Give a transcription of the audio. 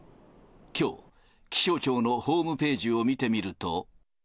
きょう、気象庁のホームページを見てみると。